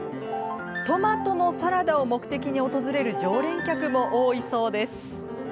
トマトのサラダを目的に訪れる常連客も多いそうです。